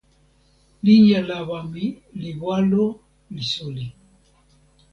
linja lawa mi li walo li suli.